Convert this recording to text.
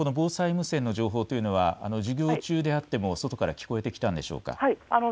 この防災無線の情報というのは授業中であっても外から聞こえてきたんでしょうか。